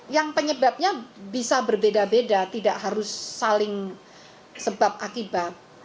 yang penyebabnya bisa berbeda beda tidak harus saling sebab akibat